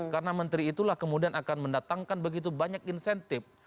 karena menteri itulah kemudian akan mendatangkan begitu banyak insentif